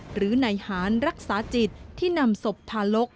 หรือในหารรักษาจิตที่นำศพทารก